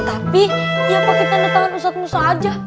tapi ya pakai tanda tangan ustadz musa aja